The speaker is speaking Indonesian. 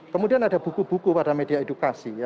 kemudian ada buku buku pada media edukasi